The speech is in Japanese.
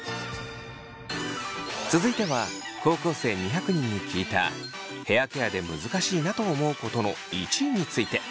続いては高校生２００人に聞いたヘアケアで難しいなと思うことの１位について。